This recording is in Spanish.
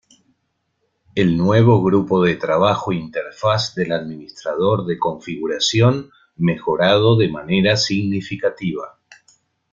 El nuevo grupo de trabajo interfaz del Administrador de configuración mejorado de manera significativa.